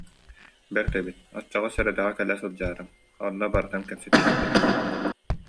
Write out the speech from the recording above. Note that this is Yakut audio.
Бэрт эбит, оччоҕо сэрэдэҕэ кэлэ сылдьаарыҥ, онно барытын кэпсэтиэхпит